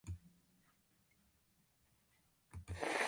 அவளுடைய கண்கள் முடியிருந்தன.